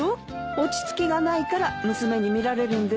落ち着きがないから娘に見られるんですよ。